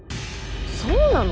そうなの？